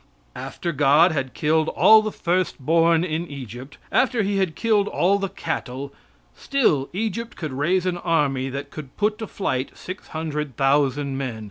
After God had killed all the first born in Egypt, after He had killed all the cattle, still Egypt could raise an army that could put to flight six hundred thousand men.